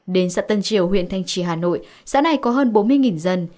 đến xã tân triều huyện thanh trì hà nội xã này có hơn bốn mươi dân